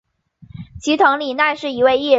齐藤里奈是一位艺人。